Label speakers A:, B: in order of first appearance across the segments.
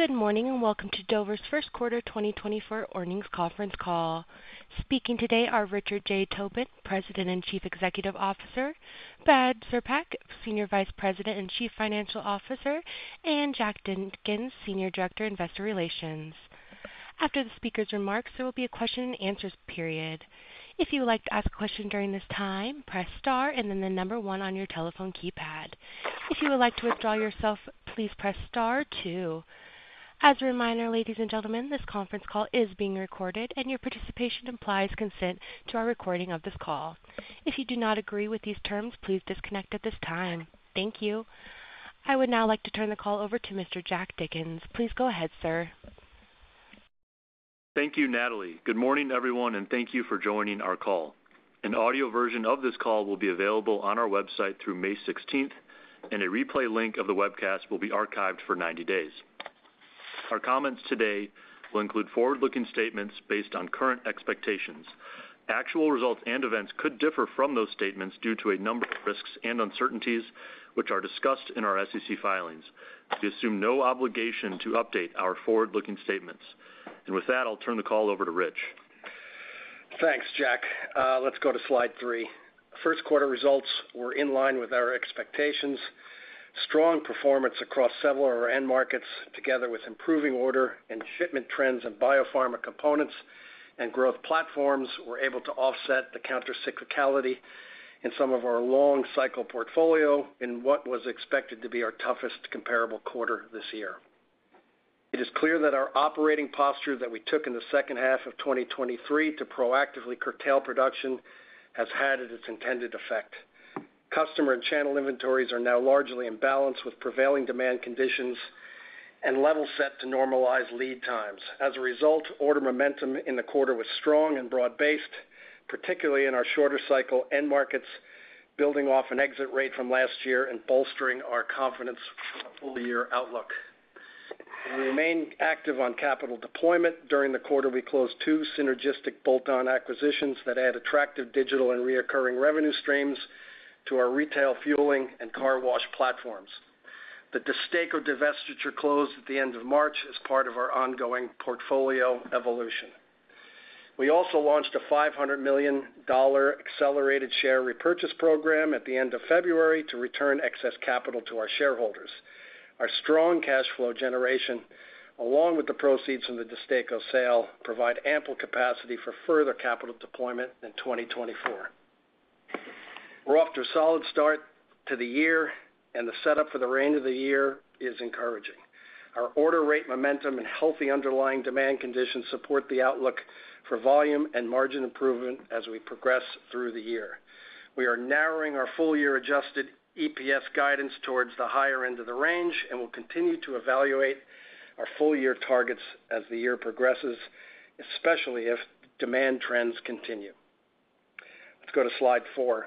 A: Good morning and welcome to Dover's First Quarter 2024 Earnings Conference Call. Speaking today are Richard J. Tobin, President and Chief Executive Officer; Brad Cerepak, Senior Vice President and Chief Financial Officer; and Jack Dickens, Senior Director, Investor Relations. After the speaker's remarks, there will be a question-and-answers period. If you would like to ask a question during this time, press star and then the number one on your telephone keypad. If you would like to withdraw yourself, please press star two. As a reminder, ladies and gentlemen, this conference call is being recorded and your participation implies consent to our recording of this call. If you do not agree with these terms, please disconnect at this time. Thank you. I would now like to turn the call over to Mr. Jack Dickens. Please go ahead, sir.
B: Thank you, Natalie. Good morning, everyone, and thank you for joining our call. An audio version of this call will be available on our website through May 16th, and a replay link of the webcast will be archived for 90 days. Our comments today will include forward-looking statements based on current expectations. Actual results and events could differ from those statements due to a number of risks and uncertainties which are discussed in our SEC filings. We assume no obligation to update our forward-looking statements. With that, I'll turn the call over to Rich.
C: Thanks, Jack. Let's go to slide three. First quarter results were in line with our expectations. Strong performance across several of our end markets, together with improving order and shipment trends in biopharma components and growth platforms, were able to offset the countercyclicality in some of our long-cycle portfolio in what was expected to be our toughest comparable quarter this year. It is clear that our operating posture that we took in the second half of 2023 to proactively curtail production has had its intended effect. Customer and channel inventories are now largely in balance with prevailing demand conditions and level set to normalize lead times. As a result, order momentum in the quarter was strong and broad-based, particularly in our shorter-cycle end markets, building off an exit rate from last year and bolstering our confidence for the full-year outlook. We remain active on capital deployment. During the quarter, we closed two synergistic bolt-on acquisitions that add attractive digital and reoccurring revenue streams to our retail fueling and car wash platforms. The DESTACO divestiture closed at the end of March as part of our ongoing portfolio evolution. We also launched a $500 million accelerated share repurchase program at the end of February to return excess capital to our shareholders. Our strong cash flow generation, along with the proceeds from the DESTACO sale, provide ample capacity for further capital deployment in 2024. We're off to a solid start to the year, and the setup for the remainder of the year is encouraging. Our order rate momentum and healthy underlying demand conditions support the outlook for volume and margin improvement as we progress through the year. We are narrowing our full-year adjusted EPS guidance towards the higher end of the range and will continue to evaluate our full-year targets as the year progresses, especially if demand trends continue. Let's go to slide 4.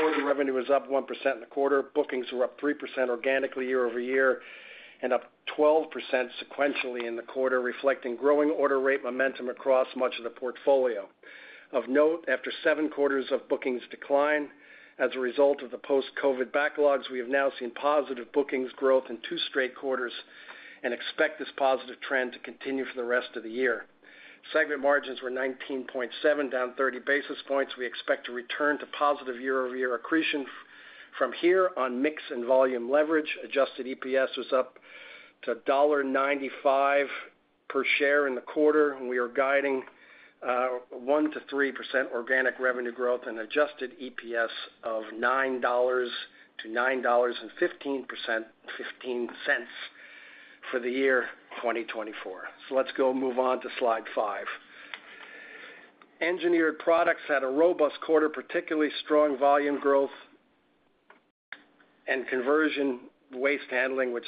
C: Our revenue is up 1% in the quarter. Bookings were up 3% organically year-over-year and up 12% sequentially in the quarter, reflecting growing order rate momentum across much of the portfolio. Of note, after 7 quarters of bookings declined as a result of the post-COVID backlogs, we have now seen positive bookings growth in 2 straight quarters and expect this positive trend to continue for the rest of the year. Segment margins were 19.7%, down 30 basis points. We expect to return to positive year-over-year accretion from here on mix and volume leverage. Adjusted EPS was up to $1.95 per share in the quarter, and we are guiding 1%-3% organic revenue growth and adjusted EPS of $9-$9.15 for the year 2024. Let's go move on to slide 5. Engineered Products had a robust quarter, particularly strong volume growth and conversion waste handling, which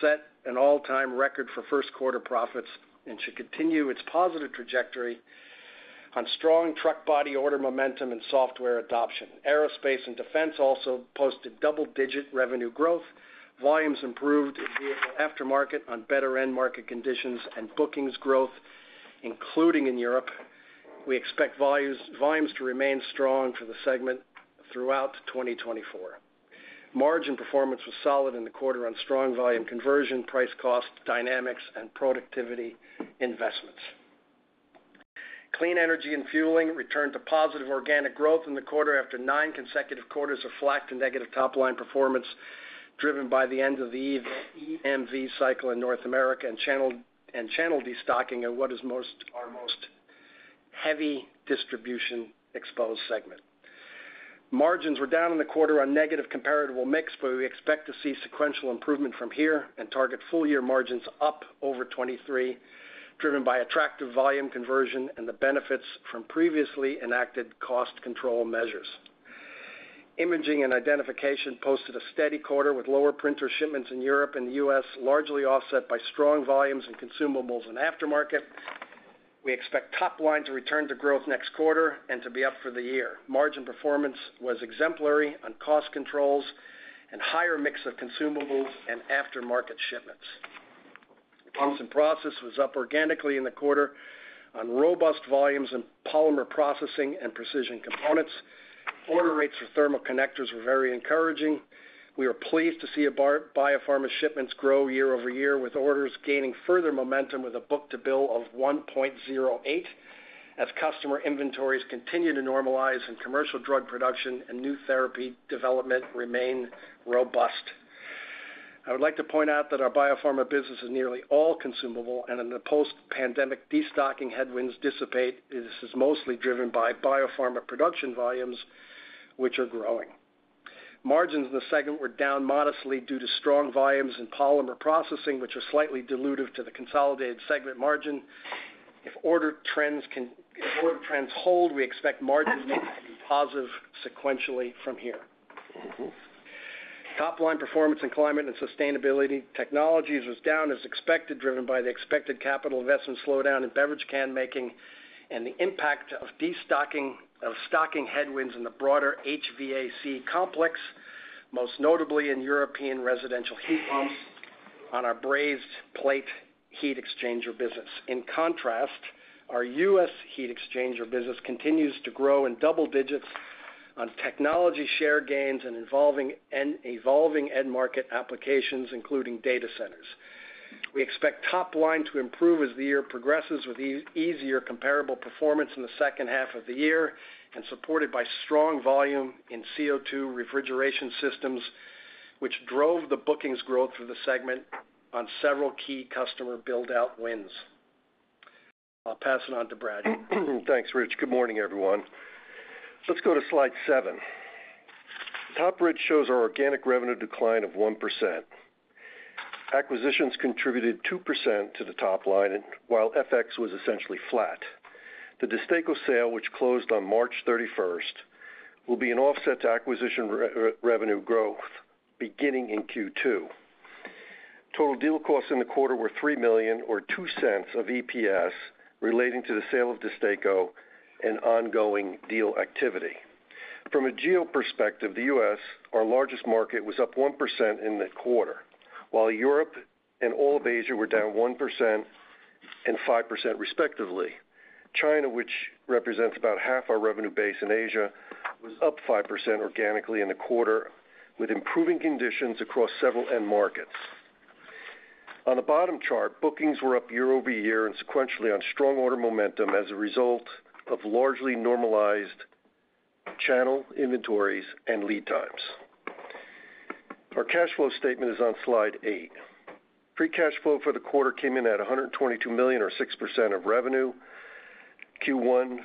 C: set an all-time record for first quarter profits and should continue its positive trajectory on strong truck body order momentum and software adoption. Aerospace and defense also posted double-digit revenue growth. Volumes improved in vehicle aftermarket on better end-market conditions and bookings growth, including in Europe. We expect volumes to remain strong for the segment throughout 2024. Margin performance was solid in the quarter on strong volume conversion, price-cost dynamics, and productivity investments. Clean Energy & Fueling returned to positive organic growth in the quarter after nine consecutive quarters of flat to negative top-line performance driven by the end-of-the-EMV cycle in North America and channel destocking in what is our most heavy distribution exposed segment. Margins were down in the quarter on negative comparable mix, but we expect to see sequential improvement from here and target full-year margins up over 2023, driven by attractive volume conversion and the benefits from previously enacted cost control measures. Imaging & Identification posted a steady quarter with lower printer shipments in Europe and the U.S., largely offset by strong volumes and consumables in aftermarket. We expect top-line to return to growth next quarter and to be up for the year. Margin performance was exemplary on cost controls and higher mix of consumables and aftermarket shipments. Pumps & Process was up organically in the quarter on robust volumes in polymer processing and precision components. Order rates for thermal connectors were very encouraging. We were pleased to see biopharma shipments grow year-over-year, with orders gaining further momentum with a book-to-bill of 1.08 as customer inventories continue to normalize and commercial drug production and new therapy development remain robust. I would like to point out that our biopharma business is nearly all consumable, and in the post-pandemic, destocking headwinds dissipate. This is mostly driven by biopharma production volumes, which are growing. Margins in the segment were down modestly due to strong volumes in polymer processing, which are slightly dilutive to the consolidated segment margin. If order trends hold, we expect margins to be positive sequentially from here.
D: Mm-hmm. Top-line performance in Climate and Sustainability Technologies was down as expected, driven by the expected capital investment slowdown in beverage can making and the impact of destocking and stocking headwinds in the broader HVAC complex, most notably in European residential heat pumps on our brazed-plate heat exchanger business. In contrast, our U.S. heat exchanger business continues to grow in double digits on technology share gains and involving and evolving end-market applications, including data centers. We expect top-line to improve as the year progresses with easier comparable performance in the second half of the year and supported by strong volume in CO2 refrigeration systems, which drove the bookings growth for the segment on several key customer buildout wins. I'll pass it on to Brad. Thanks, Rich. Good morning, everyone. Let's go to slide 7. Top line shows our organic revenue decline of 1%. Acquisitions contributed 2% to the top line, while FX was essentially flat. The DESTACO sale, which closed on March 31st, will be an offset to acquisition revenue growth beginning in Q2. Total deal costs in the quarter were $3 million or $0.02 of EPS relating to the sale of DESTACO and ongoing deal activity. From a geo perspective, the U.S., our largest market, was up 1% in the quarter, while Europe and all of Asia were down 1% and 5% respectively. China, which represents about half our revenue base in Asia, was up 5% organically in the quarter, with improving conditions across several end markets. On the bottom chart, bookings were up year-over-year and sequentially on strong order momentum as a result of largely normalized channel inventories and lead times. Our cash flow statement is on slide 8. Free cash flow for the quarter came in at $122 million or 6% of revenue. Q1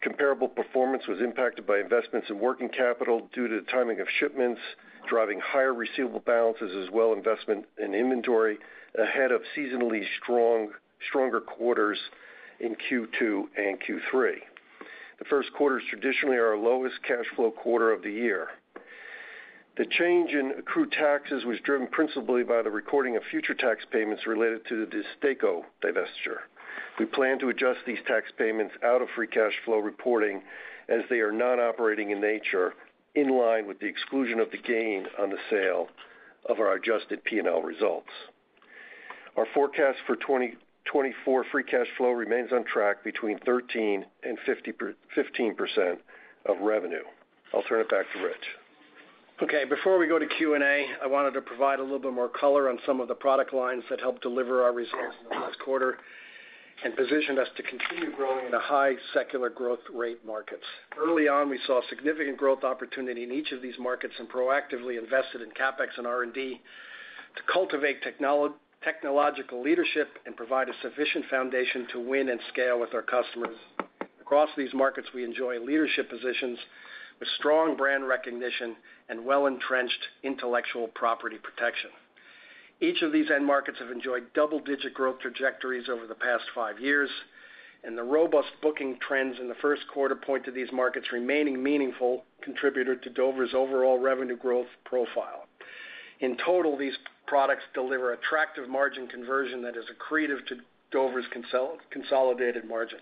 D: comparable performance was impacted by investments in working capital due to the timing of shipments, driving higher receivable balances as well as investment in inventory ahead of seasonally strong stronger quarters in Q2 and Q3. The first quarters traditionally are our lowest cash flow quarter of the year. The change in accrued taxes was driven principally by the recording of future tax payments related to the DESTACO divestiture. We plan to adjust these tax payments out of free cash flow reporting as they are non-operating in nature, in line with the exclusion of the gain on the sale of our adjusted P&L results. Our forecast for 2024 free cash flow remains on track between 13%-15% of revenue. I'll turn it back to Rich.
C: Okay. Before we go to Q&A, I wanted to provide a little bit more color on some of the product lines that helped deliver our results in the last quarter and positioned us to continue growing in high secular growth rate markets. Early on, we saw significant growth opportunity in each of these markets and proactively invested in CapEx and R&D to cultivate technological leadership and provide a sufficient foundation to win and scale with our customers. Across these markets, we enjoy leadership positions with strong brand recognition and well-entrenched intellectual property protection. Each of these end markets have enjoyed double-digit growth trajectories over the past 5 years, and the robust booking trends in the first quarter point to these markets remaining meaningful contributed to Dover's overall revenue growth profile. In total, these products deliver attractive margin conversion that is accretive to Dover's consolidated margin.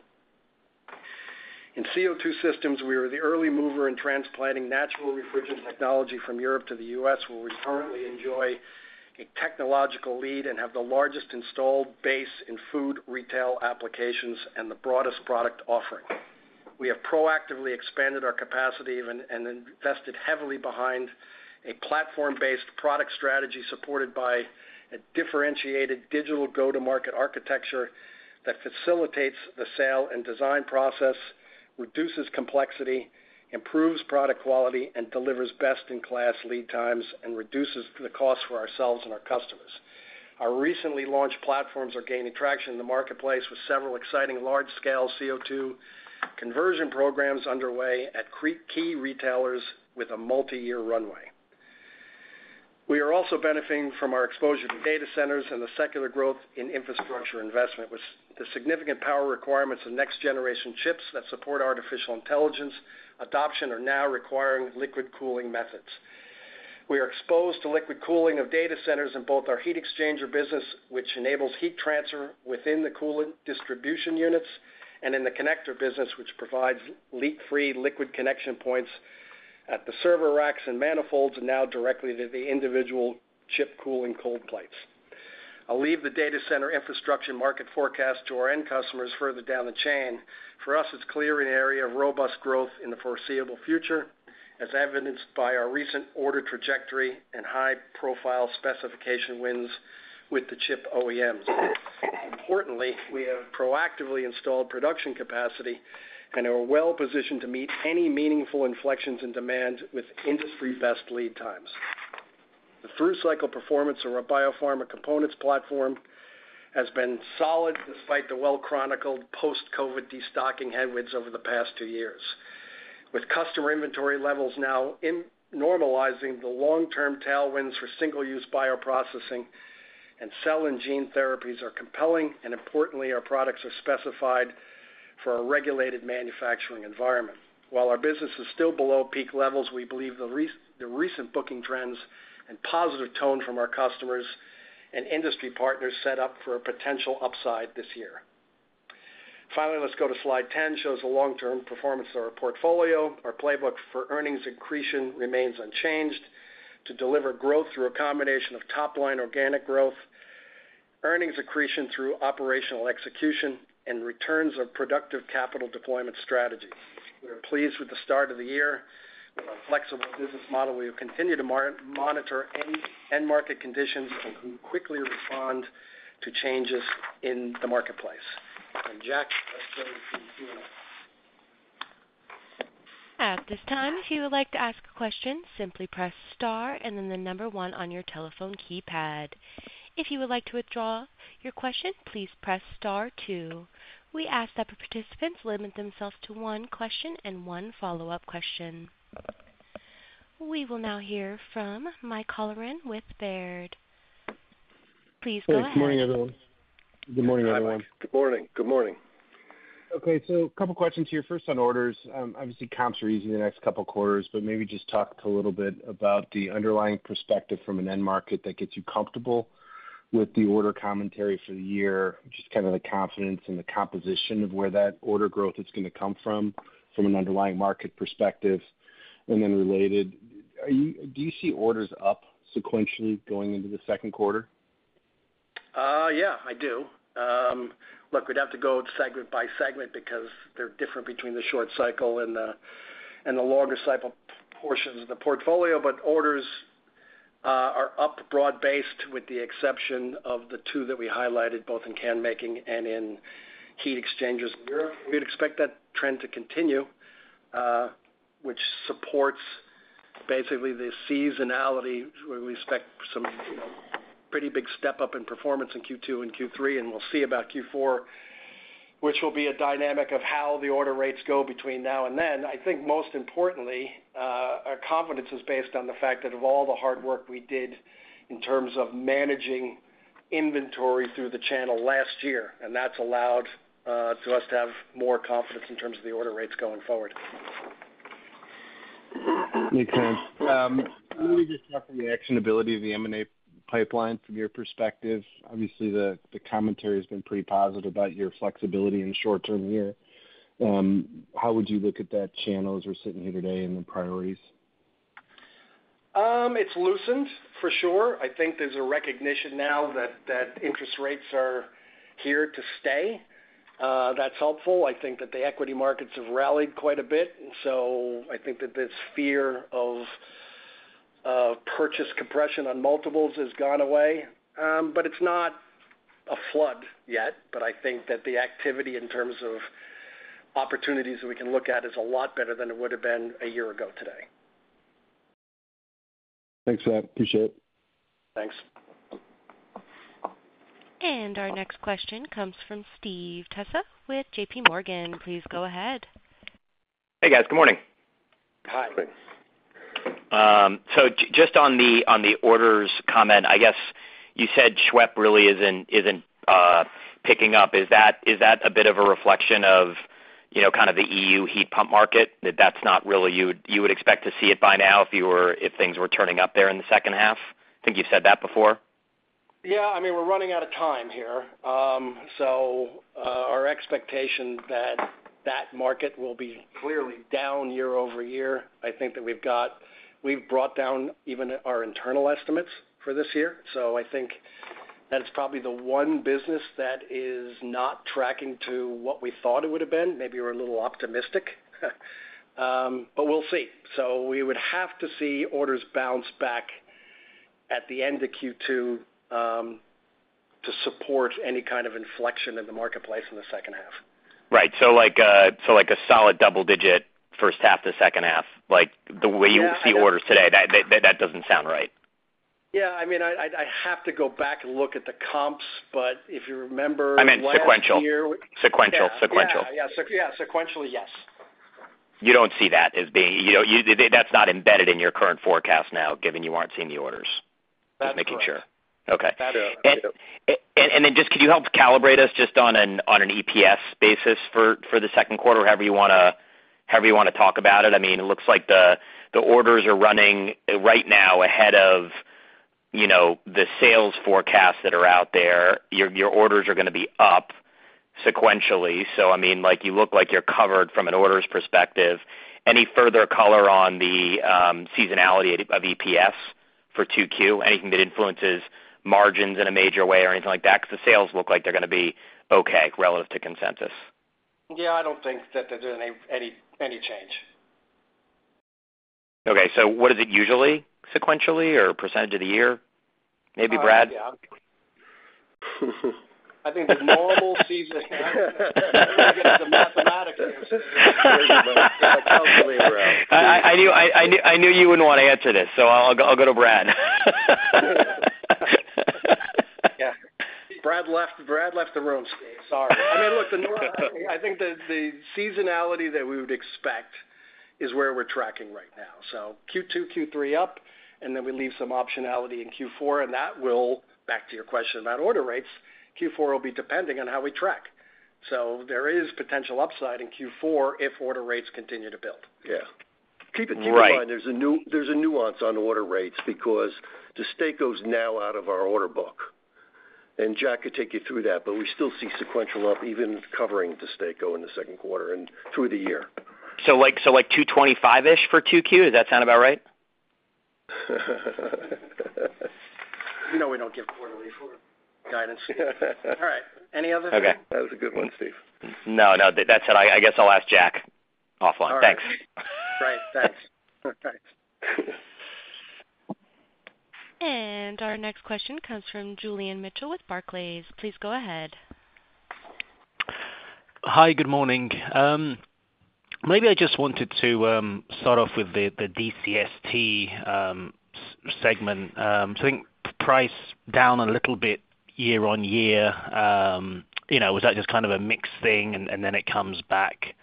C: In CO2 systems, we were the early mover in transplanting natural refrigerant technology from Europe to the U.S., where we currently enjoy a technological lead and have the largest installed base in food retail applications and the broadest product offering. We have proactively expanded our capacity and invested heavily behind a platform-based product strategy supported by a differentiated digital go-to-market architecture that facilitates the sale and design process, reduces complexity, improves product quality, and delivers best-in-class lead times and reduces the cost for ourselves and our customers. Our recently launched platforms are gaining traction in the marketplace with several exciting large-scale CO2 conversion programs underway at key retailers with a multi-year runway. We are also benefiting from our exposure to data centers and the secular growth in infrastructure investment, with the significant power requirements of next-generation chips that support artificial intelligence adoption are now requiring liquid cooling methods. We are exposed to liquid cooling of data centers in both our heat exchanger business, which enables heat transfer within the coolant distribution units, and in the connector business, which provides leak-free liquid connection points at the server racks and manifolds and now directly to the individual chip cooling cold plates. I'll leave the data center infrastructure market forecast to our end customers further down the chain. For us, it's clear an area of robust growth in the foreseeable future, as evidenced by our recent order trajectory and high-profile specification wins with the chip OEMs. Importantly, we have proactively installed production capacity and are well-positioned to meet any meaningful inflections in demand with industry-best lead times. The through-cycle performance of our biopharma components platform has been solid despite the well-chronicled post-COVID destocking headwinds over the past two years, with customer inventory levels now normalizing. The long-term tailwinds for single-use bioprocessing and cell and gene therapies are compelling, and importantly, our products are specified for a regulated manufacturing environment. While our business is still below peak levels, we believe the recent booking trends and positive tone from our customers and industry partners set up for a potential upside this year. Finally, let's go to slide 10, which shows the long-term performance of our portfolio. Our playbook for earnings accretion remains unchanged to deliver growth through a combination of top-line organic growth, earnings accretion through operational execution, and returns of productive capital deployment strategy. We are pleased with the start of the year. With our flexible business model, we will continue to monitor end-market conditions and quickly respond to changes in the marketplace. Jack, let's go to Q&A.
A: At this time, if you would like to ask a question, simply press star and then the number one on your telephone keypad. If you would like to withdraw your question, please press star two. We ask that participants limit themselves to one question and one follow-up question. We will now hear from Mike Halloran with Baird. Please go ahead.
E: Good morning, everyone. Good morning, everyone.
C: Hi. Good morning. Good morning.
E: Okay. So a couple of questions here. First, on orders. Obviously, comps are easy the next couple of quarters, but maybe just talk a little bit about the underlying perspective from an end market that gets you comfortable with the order commentary for the year, just kind of the confidence and the composition of where that order growth is going to come from from an underlying market perspective. And then related, do you see orders up sequentially going into the second quarter?
C: Yeah, I do. Look, we'd have to go segment by segment because they're different between the short cycle and the longer cycle portions of the portfolio. But orders are up broad-based, with the exception of the two that we highlighted, both in can making and in heat exchangers in Europe. We would expect that trend to continue, which supports basically the seasonality, where we expect some pretty big step-up in performance in Q2 and Q3. And we'll see about Q4, which will be a dynamic of how the order rates go between now and then. I think, most importantly, our confidence is based on the fact that of all the hard work we did in terms of managing inventory through the channel last year, and that's allowed us to have more confidence in terms of the order rates going forward.
E: Makes sense. Let me just talk about the actionability of the M&A pipeline from your perspective. Obviously, the commentary has been pretty positive about your flexibility in the short term. Yeah. How would you look at the channels as we're sitting here today and the priorities?
C: It's loosened, for sure. I think there's a recognition now that interest rates are here to stay. That's helpful. I think that the equity markets have rallied quite a bit, and so I think that this fear of purchase compression on multiples has gone away. But it's not a flood yet. But I think that the activity in terms of opportunities that we can look at is a lot better than it would have been a year ago today.
E: Thanks, Scott. Appreciate it.
C: Thanks.
A: Our next question comes from Stephen Tusa with J.P. Morgan. Please go ahead.
F: Hey, guys. Good morning.
C: Hi.
F: So just on the orders comment, I guess you said SWEP really isn't picking up. Is that a bit of a reflection of kind of the EU heat pump market, that that's not really you would expect to see it by now if things were turning up there in the second half? I think you've said that before.
C: Yeah. I mean, we're running out of time here. So our expectation that that market will be clearly down year-over-year. I think that we've brought down even our internal estimates for this year. So I think that it's probably the one business that is not tracking to what we thought it would have been. Maybe we're a little optimistic, but we'll see. So we would have to see orders bounce back at the end of Q2 to support any kind of inflection in the marketplace in the second half.
F: Right. So a solid double-digit first half to second half, the way you see orders today, that doesn't sound right.
C: Yeah. I mean, I have to go back and look at the comps, but if you remember last year.
F: I mean, sequential. Sequential. Sequential.
C: Yeah. Yeah. Yeah. Sequentially, yes.
F: You don't see that as being that. That's not embedded in your current forecast now, given you aren't seeing the orders, just making sure. Okay.
C: That's correct. That is.
F: And then, just can you help calibrate us just on an EPS basis for the second quarter or however you want to however you want to talk about it? I mean, it looks like the orders are running right now ahead of the sales forecasts that are out there. Your orders are going to be up sequentially. So I mean, you look like you're covered from an orders perspective. Any further color on the seasonality of EPS for Q2, anything that influences margins in a major way or anything like that, because the sales look like they're going to be okay relative to consensus?
C: Yeah. I don't think that there's any change.
F: Okay. So what is it usually, sequentially or percentage of the year? Maybe Brad?
C: I think the normal season. I don't know. I'm going to get to the mathematics answer, but it's a calculator, though.
F: I knew you wouldn't want to answer this, so I'll go to Brad.
G: Yeah. Brad left the room, Steve. Sorry. I mean, look, I think the seasonality that we would expect is where we're tracking right now. So Q2, Q3 up, and then we leave some optionality in Q4. And that will, back to your question about order rates, Q4 will be depending on how we track. So there is potential upside in Q4 if order rates continue to build.
D: Yeah. Keep in mind, there's a nuance on order rates because DESTACO's now out of our order book. And Jack could take you through that, but we still see sequential up even covering DESTACO in the second quarter and through the year.
F: So 225-ish for Q2? Does that sound about right?
C: We don't give quarterly guidance. All right. Any other things?
D: Okay. That was a good one, Steve.
F: No. No. That's it. I guess I'll ask Jack offline. Thanks.
C: All right. Great. Thanks.
A: Our next question comes from Julian Mitchell with Barclays. Please go ahead.
H: Hi. Good morning. Maybe I just wanted to start off with the DCST segment. I think price down a little bit year-over-year. Was that just kind of a mixed thing, and then it comes back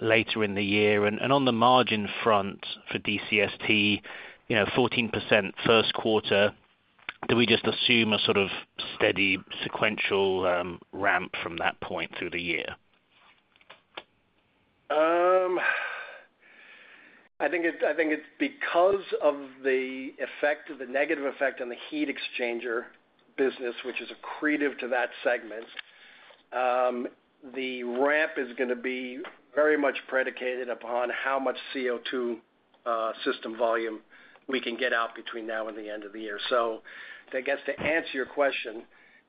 H: later in the year? On the margin front for DCST, 14% first quarter, do we just assume a sort of steady sequential ramp from that point through the year?
C: I think it's because of the negative effect on the heat exchanger business, which is accretive to that segment. The ramp is going to be very much predicated upon how much CO2 system volume we can get out between now and the end of the year. So I guess to answer your question,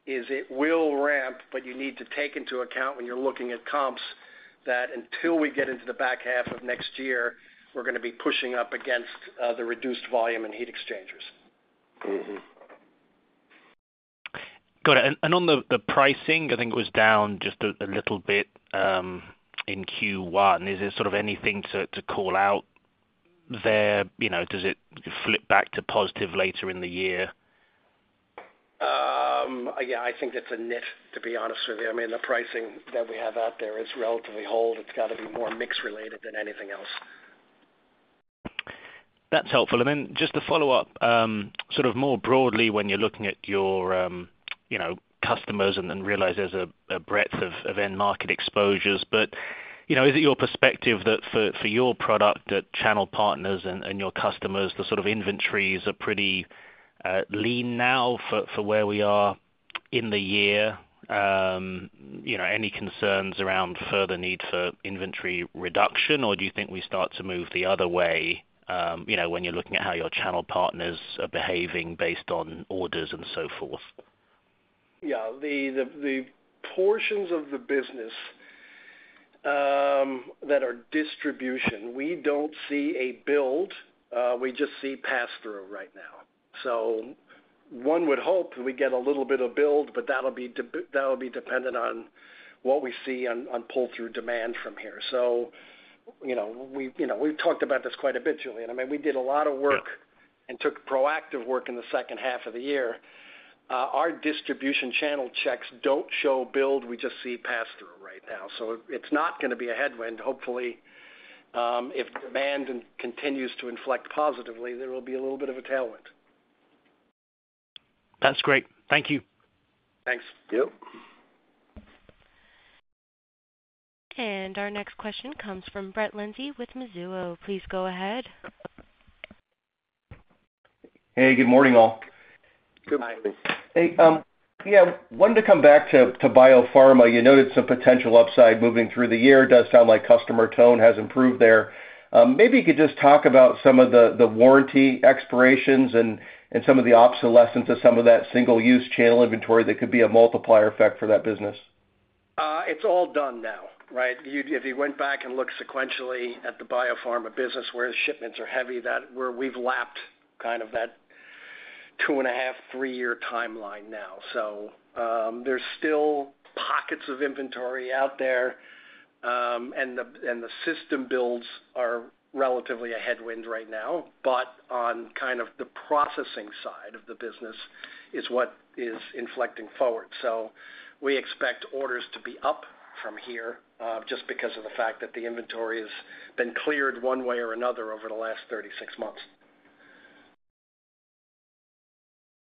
C: it will ramp, but you need to take into account when you're looking at comps that until we get into the back half of next year, we're going to be pushing up against the reduced volume in heat exchangers.
H: Got it. And on the pricing, I think it was down just a little bit in Q1. Is there sort of anything to call out there? Does it flip back to positive later in the year?
C: Yeah. I think it's a nit, to be honest with you. I mean, the pricing that we have out there is relatively old. It's got to be more mix-related than anything else.
H: That's helpful. Then just to follow up sort of more broadly when you're looking at your customers and realize there's a breadth of end market exposures, but is it your perspective that for your product at channel partners and your customers, the sort of inventories are pretty lean now for where we are in the year? Any concerns around further need for inventory reduction, or do you think we start to move the other way when you're looking at how your channel partners are behaving based on orders and so forth?
C: Yeah. The portions of the business that are distribution, we don't see a build. We just see pass-through right now. So one would hope that we get a little bit of build, but that'll be dependent on what we see on pull-through demand from here. So we've talked about this quite a bit, Julian. I mean, we did a lot of work and took proactive work in the second half of the year. Our distribution channel checks don't show build. We just see pass-through right now. So it's not going to be a headwind. Hopefully, if demand continues to inflect positively, there will be a little bit of a tailwind.
I: That's great. Thank you.
C: Thanks.
D: Yep.
A: Our next question comes from Brett Linzey with Mizuho. Please go ahead.
J: Hey. Good morning, all.
C: Good morning.
J: Hey. Yeah. Wanted to come back to Biopharma. You noted some potential upside moving through the year. Does sound like customer tone has improved there. Maybe you could just talk about some of the warranty expirations and some of the obsolescence of some of that Single-use channel inventory that could be a multiplier effect for that business.
C: It's all done now, right? If you went back and look sequentially at the biopharma business where shipments are heavy, where we've lapped kind of that 2.5-3-year timeline now. So there's still pockets of inventory out there, and the system builds are relatively a headwind right now. But on kind of the processing side of the business is what is inflecting forward. So we expect orders to be up from here just because of the fact that the inventory has been cleared one way or another over the last 36 months.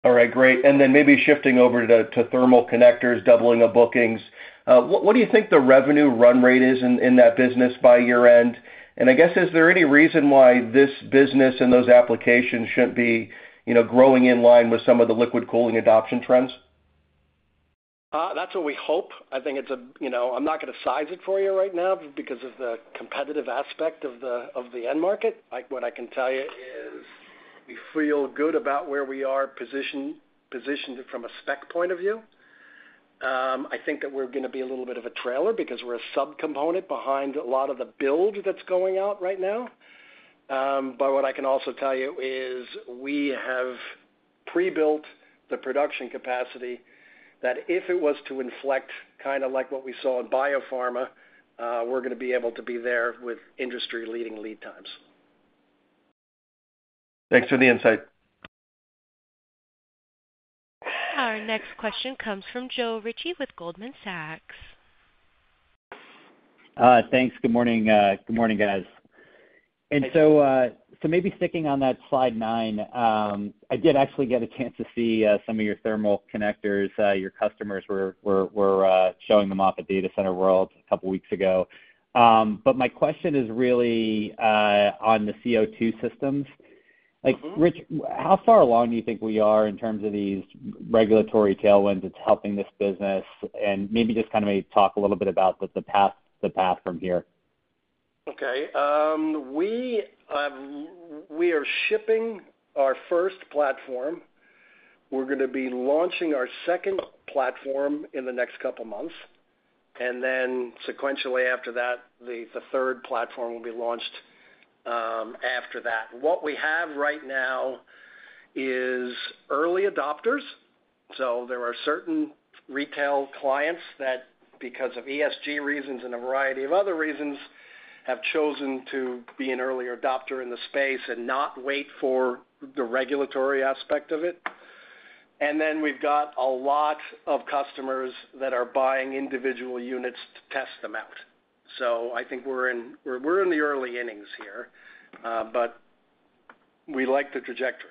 J: All right. Great. And then maybe shifting over to thermal connectors, doubling of bookings, what do you think the revenue run rate is in that business by year-end? And I guess, is there any reason why this business and those applications shouldn't be growing in line with some of the liquid cooling adoption trends?
C: That's what we hope. I think it's, I'm not going to size it for you right now because of the competitive aspect of the end market. What I can tell you is we feel good about where we are positioned from a spec point of view. I think that we're going to be a little bit of a trailer because we're a subcomponent behind a lot of the build that's going out right now. But what I can also tell you is we have pre-built the production capacity that if it was to inflect kind of like what we saw in biopharma, we're going to be able to be there with industry-leading lead times.
J: Thanks for the insight.
A: Our next question comes from Joe Ritchie with Goldman Sachs.
K: Thanks. Good morning. Good morning, guys. And so maybe sticking on that slide 9, I did actually get a chance to see some of your thermal connectors. Your customers were showing them off at Data Center World a couple of weeks ago. But my question is really on the CO2 systems. Rich, how far along do you think we are in terms of these regulatory tailwinds that's helping this business? And maybe just kind of maybe talk a little bit about the path from here.
C: Okay. We are shipping our first platform. We're going to be launching our second platform in the next couple of months. And then sequentially after that, the third platform will be launched after that. What we have right now is early adopters. So there are certain retail clients that, because of ESG reasons and a variety of other reasons, have chosen to be an early adopter in the space and not wait for the regulatory aspect of it. And then we've got a lot of customers that are buying individual units to test them out. So I think we're in the early innings here, but we like the trajectory.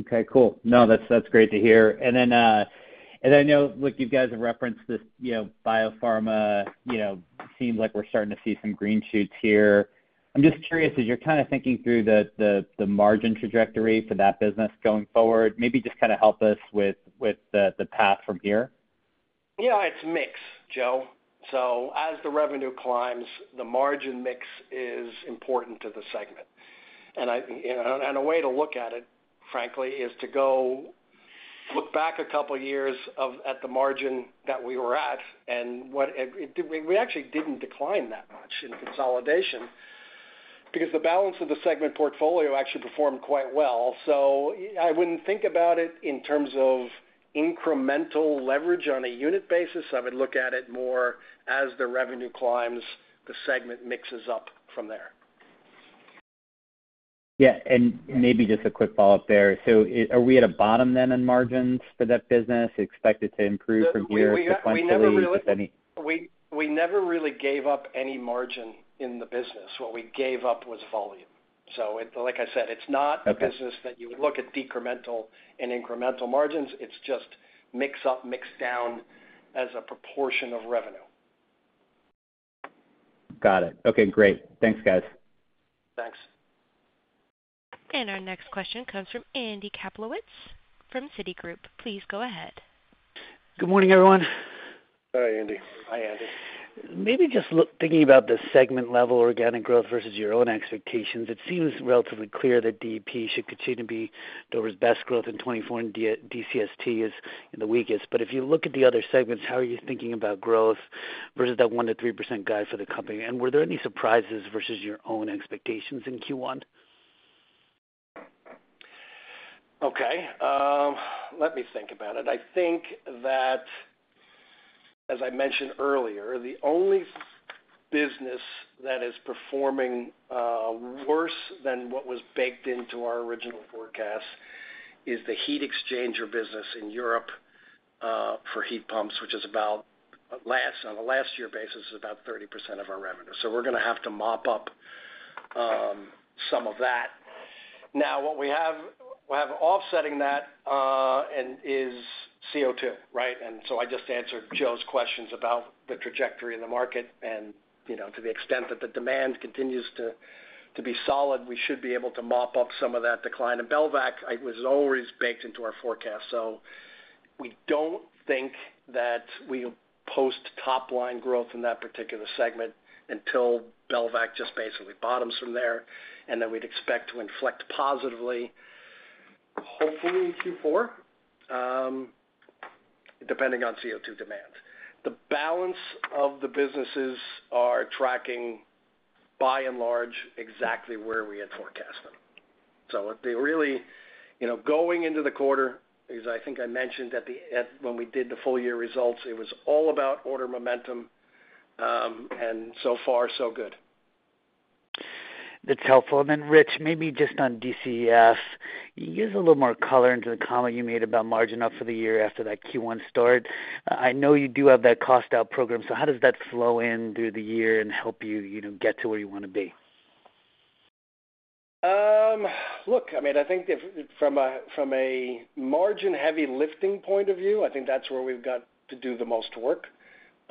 K: Okay. Cool. No, that's great to hear. And then I know, look, you guys have referenced this biopharma. It seems like we're starting to see some green shoots here. I'm just curious, as you're kind of thinking through the margin trajectory for that business going forward, maybe just kind of help us with the path from here.
C: Yeah. It's a mix, Joe. So as the revenue climbs, the margin mix is important to the segment. And a way to look at it, frankly, is to look back a couple of years at the margin that we were at. And we actually didn't decline that much in consolidation because the balance of the segment portfolio actually performed quite well. So I wouldn't think about it in terms of incremental leverage on a unit basis. I would look at it more as the revenue climbs, the segment mixes up from there.
K: Yeah. Maybe just a quick follow-up there. So are we at a bottom then in margins for that business, expected to improve from here sequentially with any?
C: We never really gave up any margin in the business. What we gave up was volume. So like I said, it's not a business that you would look at decremental and incremental margins. It's just mix up, mix down as a proportion of revenue.
K: Got it. Okay. Great. Thanks, guys.
C: Thanks.
A: Our next question comes from Andy Kaplowitz from Citigroup. Please go ahead.
L: Good morning, everyone.
D: Hi, Andy.
C: Hi, Andy.
L: Maybe just thinking about the segment level organic growth versus your own expectations, it seems relatively clear that DEP should continue to be Dover's best growth in 2024, and DCST is in the weakest. But if you look at the other segments, how are you thinking about growth versus that 1%-3% guide for the company? And were there any surprises versus your own expectations in Q1?
C: Okay. Let me think about it. I think that, as I mentioned earlier, the only business that is performing worse than what was baked into our original forecast is the heat exchanger business in Europe for heat pumps, which is about, on a last-year basis, about 30% of our revenue. So we're going to have to mop up some of that. Now, what we have offsetting that is CO2, right? And so I just answered Joe's questions about the trajectory of the market. And to the extent that the demand continues to be solid, we should be able to mop up some of that decline. And Belvac was always baked into our forecast. So we don't think that we'll post top-line growth in that particular segment until Belvac just basically bottoms from there, and then we'd expect to inflect positively, hopefully in Q4, depending on CO2 demand. The balance of the businesses are tracking, by and large, exactly where we had forecast them. So really going into the quarter, as I think I mentioned when we did the full-year results, it was all about order momentum. So far, so good.
L: That's helpful. And then, Rich, maybe just on DCEF, use a little more color into the comment you made about margin up for the year after that Q1 start. I know you do have that cost-out program. So how does that flow in through the year and help you get to where you want to be?
C: Look, I mean, I think from a margin-heavy lifting point of view, I think that's where we've got to do the most work.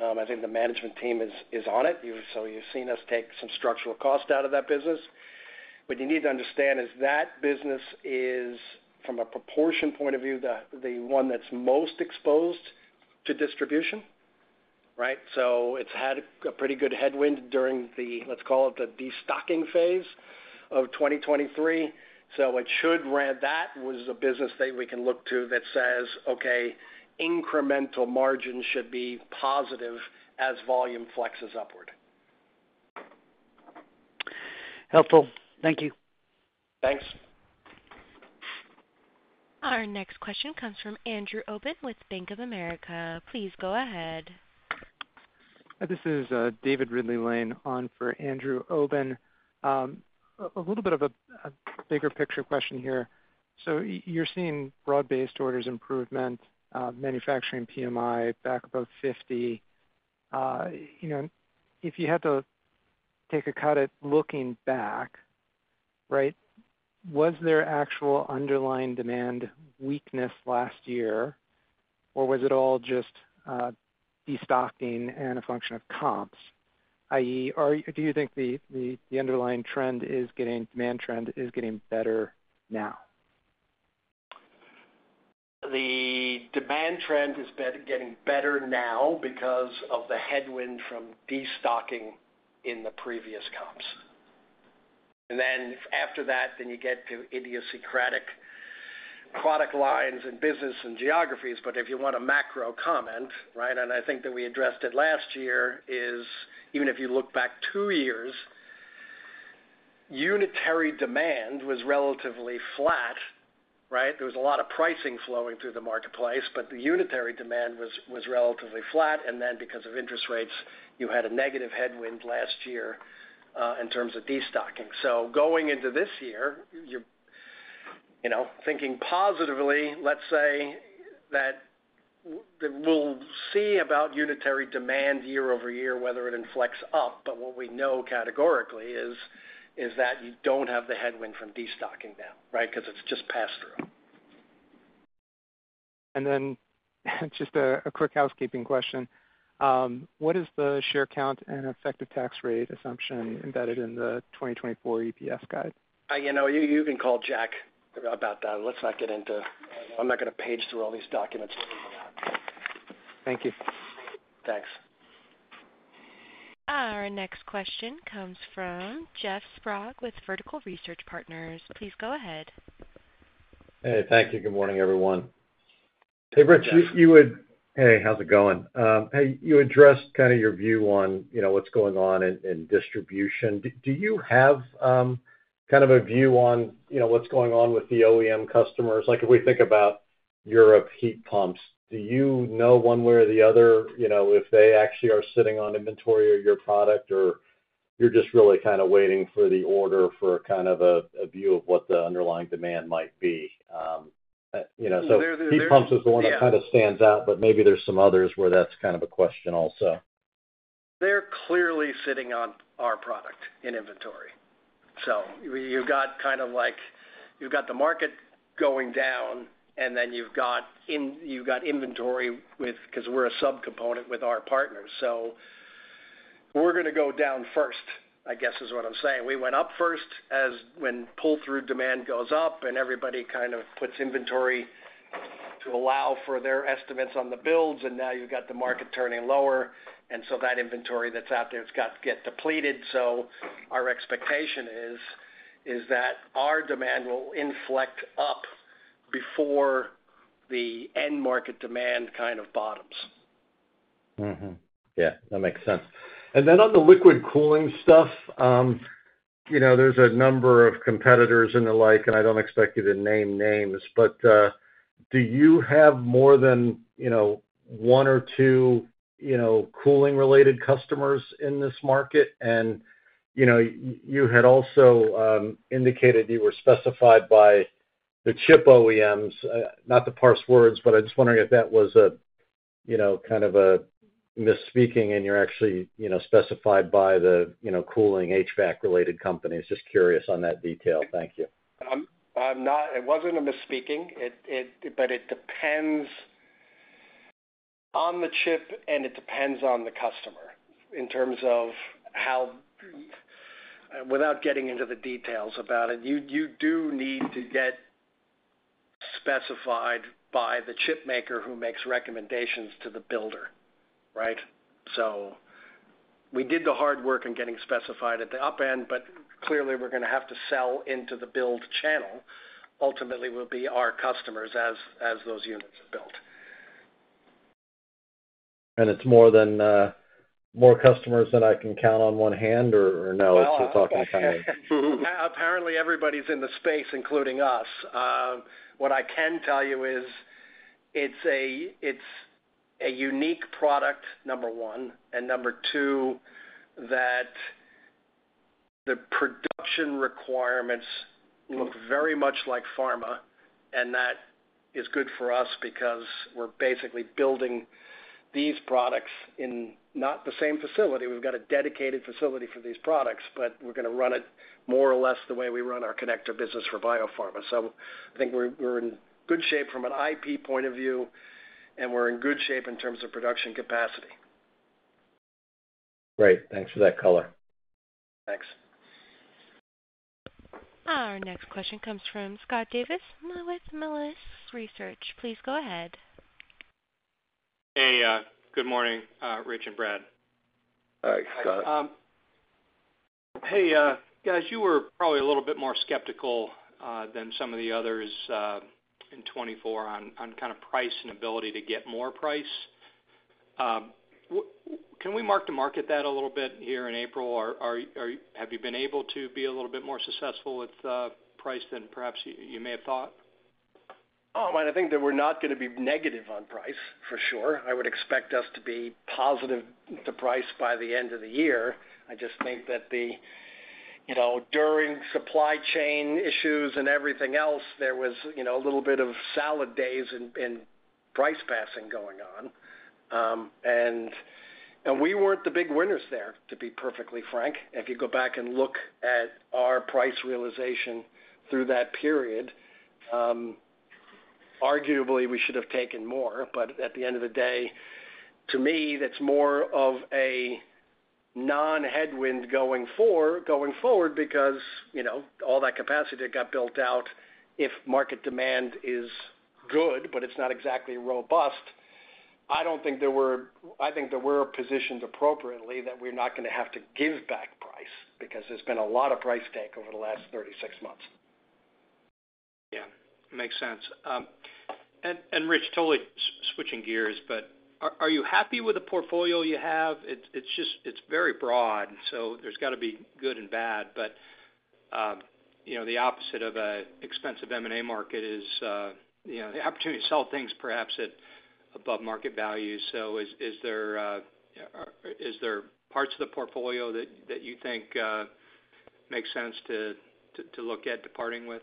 C: I think the management team is on it. So you've seen us take some structural cost out of that business. What you need to understand is that business is, from a proportion point of view, the one that's most exposed to distribution, right? So it's had a pretty good headwind during the, let's call it, the destocking phase of 2023. So it should ramp, that is a business that we can look to that says, "Okay, incremental margin should be positive as volume flexes upward.
M: Helpful. Thank you.
C: Thanks.
A: Our next question comes from Andrew Obin with Bank of America. Please go ahead.
N: This is David Ridley-Lane on for Andrew Obin. A little bit of a bigger picture question here. So you're seeing broad-based orders improvement, manufacturing PMI back above 50. If you had to take a cut at looking back, right, was there actual underlying demand weakness last year, or was it all just destocking and a function of comps? i.e., do you think the underlying trend is getting demand trend is getting better now?
C: The demand trend is getting better now because of the headwind from destocking in the previous comps. And then after that, then you get to idiosyncratic product lines and business and geographies. But if you want a macro comment, right, and I think that we addressed it last year, is even if you look back two years, unitary demand was relatively flat, right? There was a lot of pricing flowing through the marketplace, but the unitary demand was relatively flat. And then because of interest rates, you had a negative headwind last year in terms of destocking. So going into this year, thinking positively, let's say that we'll see about unitary demand year-over-year, whether it inflects up. But what we know categorically is that you don't have the headwind from destocking now, right, because it's just pass-through.
N: And then just a quick housekeeping question. What is the share count and effective tax rate assumption embedded in the 2024 EPS guide?
C: You can call Jack about that. Let's not get into. I'm not going to page through all these documents looking for that.
N: Thank you.
C: Thanks.
A: Our next question comes from Jeffrey Sprague with Vertical Research Partners. Please go ahead.
O: Hey. Thank you. Good morning, everyone. Hey, Rich, how's it going? Hey, you addressed kind of your view on what's going on in distribution. Do you have kind of a view on what's going on with the OEM customers? If we think about Europe heat pumps, do you know one way or the other if they actually are sitting on inventory of your product, or you're just really kind of waiting for the order for kind of a view of what the underlying demand might be? So heat pumps is the one that kind of stands out, but maybe there's some others where that's kind of a question also.
C: They're clearly sitting on our product in inventory. So you've got kind of like you've got the market going down, and then you've got inventory with because we're a subcomponent with our partners. So we're going to go down first, I guess, is what I'm saying. We went up first when pull-through demand goes up, and everybody kind of puts inventory to allow for their estimates on the builds. And now you've got the market turning lower. And so that inventory that's out there, it's got to get depleted. So our expectation is that our demand will inflect up before the end market demand kind of bottoms.
O: Yeah. That makes sense. Then on the liquid cooling stuff, there's a number of competitors and the like, and I don't expect you to name names. Do you have more than one or two cooling-related customers in this market? You had also indicated you were specified by the chip OEMs, not per se, but I'm just wondering if that was kind of a misspeaking and you're actually specified by the cooling HVAC-related company. I was just curious on that detail. Thank you.
C: It wasn't a misspeaking, but it depends on the chip, and it depends on the customer in terms of how without getting into the details about it, you do need to get specified by the chip maker who makes recommendations to the builder, right? So we did the hard work in getting specified at the upstream, but clearly, we're going to have to sell into the build channel. Ultimately, will be our customers as those units are built.
O: It's more customers than I can count on one hand, or no? We're talking kind of.
C: Apparently, everybody's in the space, including us. What I can tell you is it's a unique product, number one, and number two, that the production requirements look very much like pharma. And that is good for us because we're basically building these products in not the same facility. We've got a dedicated facility for these products, but we're going to run it more or less the way we run our connector business for biopharma. So I think we're in good shape from an IP point of view, and we're in good shape in terms of production capacity.
O: Great. Thanks for that color.
C: Thanks.
A: Our next question comes from Scott Davis with Melius Research. Please go ahead.
P: Hey. Good morning, Rich and Brad.
D: Hi, Scott.
P: Hey, guys, you were probably a little bit more skeptical than some of the others in 2024 on kind of price and ability to get more price. Can we mark-to-market that a little bit here in April? Have you been able to be a little bit more successful with price than perhaps you may have thought?
C: Oh, I mean, I think that we're not going to be negative on price, for sure. I would expect us to be positive to price by the end of the year. I just think that during supply chain issues and everything else, there was a little bit of salad days and price passing going on. And we weren't the big winners there, to be perfectly frank. If you go back and look at our price realization through that period, arguably, we should have taken more. But at the end of the day, to me, that's more of a non-headwind going forward because all that capacity that got built out, if market demand is good, but it's not exactly robust, I don't think there were. I think that we're positioned appropriately that we're not going to have to give back price because there's been a lot of price take over the last 36 months.
P: Yeah. Makes sense. And Rich, totally switching gears, but are you happy with the portfolio you have? It's very broad, so there's got to be good and bad. But the opposite of an expensive M&A market is the opportunity to sell things, perhaps, at above market value. So is there parts of the portfolio that you think make sense to look at departing with?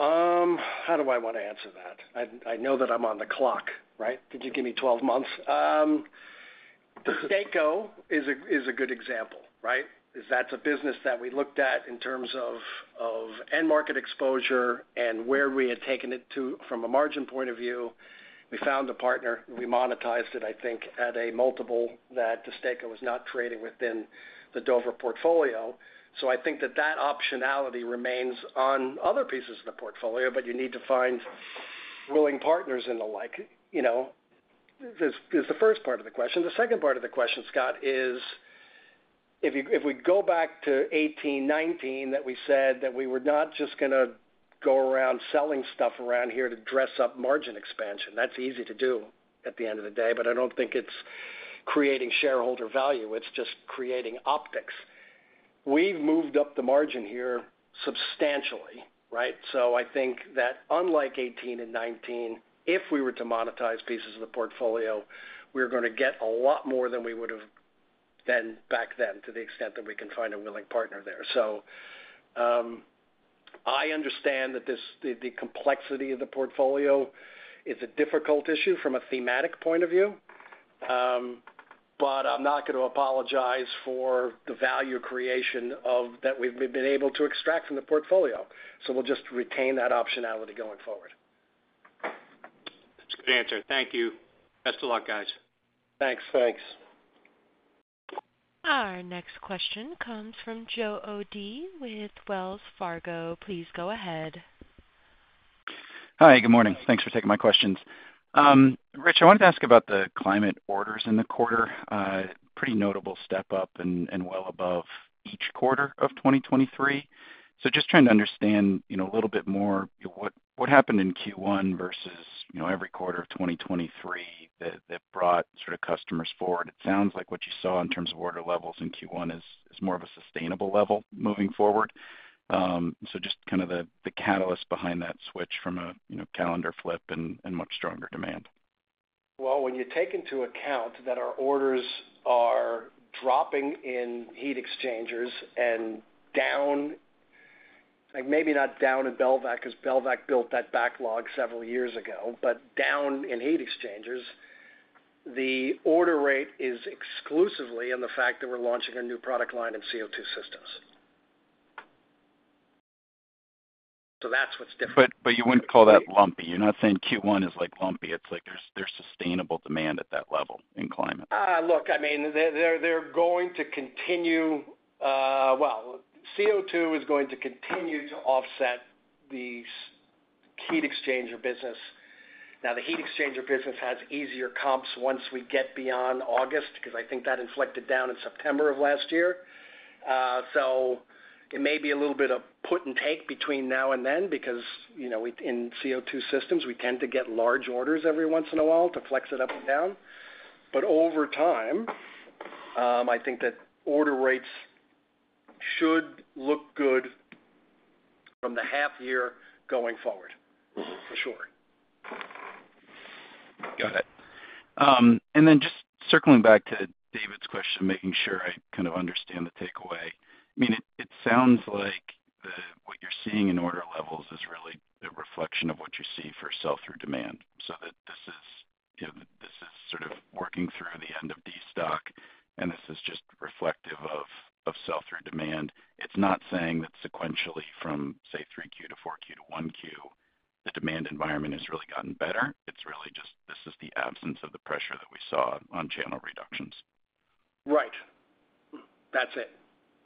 C: How do I want to answer that? I know that I'm on the clock, right? Did you give me 12 months? DESTACO is a good example, right, because that's a business that we looked at in terms of end market exposure and where we had taken it to from a margin point of view. We found a partner. We monetized it, I think, at a multiple that DESTACO was not trading within the Dover portfolio. So I think that that optionality remains on other pieces of the portfolio, but you need to find willing partners and the like. Is the first part of the question. The second part of the question, Scott, is if we go back to 2018, 2019, that we said that we were not just going to go around selling stuff around here to dress up margin expansion. That's easy to do at the end of the day, but I don't think it's creating shareholder value. It's just creating optics. We've moved up the margin here substantially, right? So I think that unlike 2018 and 2019, if we were to monetize pieces of the portfolio, we were going to get a lot more than we would have then back then to the extent that we can find a willing partner there. So I understand that the complexity of the portfolio is a difficult issue from a thematic point of view, but I'm not going to apologize for the value creation that we've been able to extract from the portfolio. So we'll just retain that optionality going forward.
P: That's a good answer. Thank you. Best of luck, guys.
C: Thanks. Thanks.
A: Our next question comes from Joe O'Dea with Wells Fargo. Please go ahead.
Q: Hi. Good morning. Thanks for taking my questions. Rich, I wanted to ask about the climate orders in the quarter. Pretty notable step up and well above each quarter of 2023. So just trying to understand a little bit more what happened in Q1 versus every quarter of 2023 that brought sort of customers forward. It sounds like what you saw in terms of order levels in Q1 is more of a sustainable level moving forward. So just kind of the catalyst behind that switch from a calendar flip and much stronger demand.
C: Well, when you take into account that our orders are dropping in heat exchangers and down maybe not down in Belvac because Belvac built that backlog several years ago, but down in heat exchangers, the order rate is exclusively in the fact that we're launching a new product line in CO2 systems. So that's what's different.
Q: But you wouldn't call that lumpy. You're not saying Q1 is lumpy. It's like there's sustainable demand at that level in climate.
C: Look, I mean, they're going to continue. Well, CO2 is going to continue to offset the heat exchanger business. Now, the heat exchanger business has easier comps once we get beyond August because I think that inflected down in September of last year. So it may be a little bit of put and take between now and then because in CO2 systems, we tend to get large orders every once in a while to flex it up and down. But over time, I think that order rates should look good from the half-year going forward, for sure.
Q: Got it. And then just circling back to David's question, making sure I kind of understand the takeaway. I mean, it sounds like what you're seeing in order levels is really a reflection of what you see for sell-through demand. So this is sort of working through the end of destock, and this is just reflective of sell-through demand. It's not saying that sequentially from, say, 3Q to 4Q to 1Q, the demand environment has really gotten better. It's really just this is the absence of the pressure that we saw on channel reductions.
C: Right. That's it,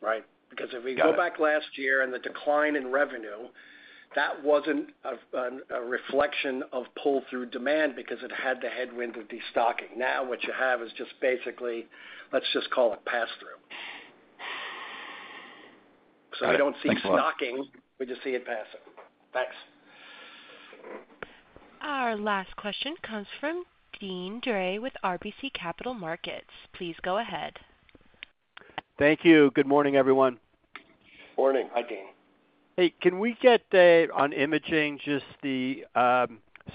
C: right? Because if we go back last year and the decline in revenue, that wasn't a reflection of pull-through demand because it had the headwind of destocking. Now, what you have is just basically, let's just call it pass-through. So I don't see stocking. We just see it passing. Thanks.
A: Our last question comes from Deane Dray with RBC Capital Markets. Please go ahead.
R: Thank you. Good morning, everyone.
D: Morning.
C: Hi, Deane.
R: Hey, can we get on Imaging just the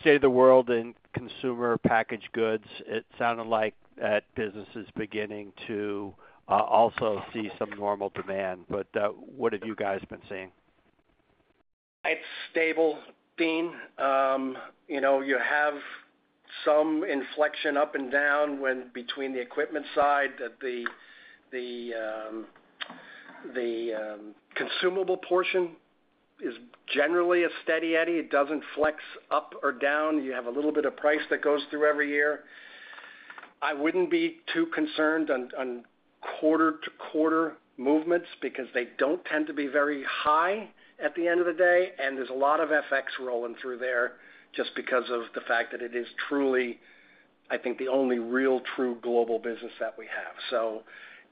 R: state of the world in consumer packaged goods? It sounded like that business is beginning to also see some normal demand. But what have you guys been seeing?
C: It's stable, Deane. You have some inflection up and down between the equipment side that the consumable portion is generally a steady Eddie. It doesn't flex up or down. You have a little bit of price that goes through every year. I wouldn't be too concerned on quarter-to-quarter movements because they don't tend to be very high at the end of the day, and there's a lot of FX rolling through there just because of the fact that it is truly, I think, the only real true global business that we have. So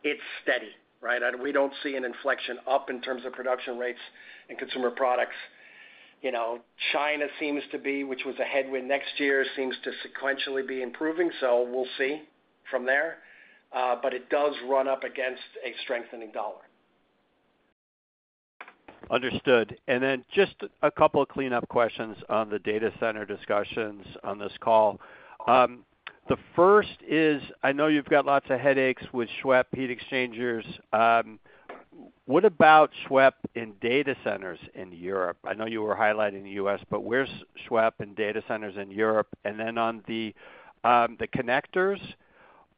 C: it's steady, right? We don't see an inflection up in terms of production rates and consumer products. China seems to be, which was a headwind next year, seems to sequentially be improving. So we'll see from there. But it does run up against a strengthening U.S. dollar.
R: Understood. And then just a couple of cleanup questions on the data center discussions on this call. The first is I know you've got lots of headaches with SWEP heat exchangers. What about SWEP in data centers in Europe? I know you were highlighting the U.S., but where's SWEP in data centers in Europe? And then on the connectors,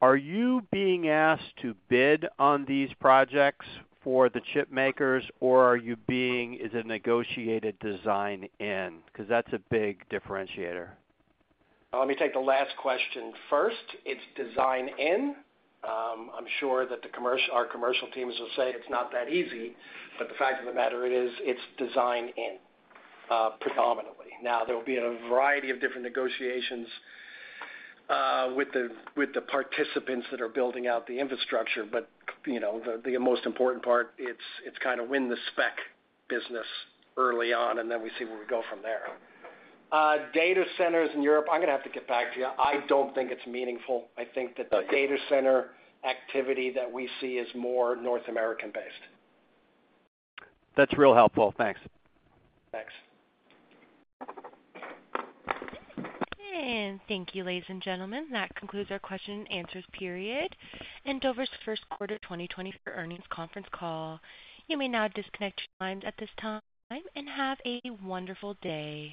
R: are you being asked to bid on these projects for the chip makers, or is it negotiated design-in? Because that's a big differentiator.
C: Let me take the last question first. It's design-in. I'm sure that our commercial teams will say it's not that easy, but the fact of the matter, it is. It's design-in predominantly. Now, there will be a variety of different negotiations with the participants that are building out the infrastructure, but the most important part, it's kind of win the spec business early on, and then we see where we go from there. Data centers in Europe, I'm going to have to get back to you. I don't think it's meaningful. I think that the data center activity that we see is more North American-based.
R: That's real helpful. Thanks.
C: Thanks.
A: Thank you, ladies and gentlemen. That concludes our question and answers period and Dover's first quarter 2024 earnings conference call. You may now disconnect your lines at this time and have a wonderful day.